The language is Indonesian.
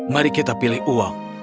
mari kita pilih uang